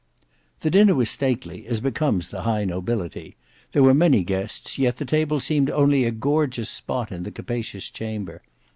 The dinner was stately, as becomes the high nobility. There were many guests, yet the table seemed only a gorgeous spot in the capacious chamber.